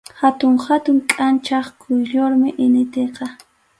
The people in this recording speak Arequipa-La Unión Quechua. Hatun hatun kʼanchaq quyllurmi initiqa.